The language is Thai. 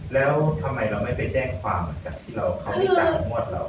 แล้วทำไมเราไม่ไปแจ้งความกับที่เขามีจ่ายทั้งหมดเรา